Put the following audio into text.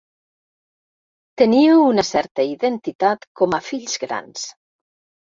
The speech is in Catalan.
Teníeu una certa identitat com a fills grans.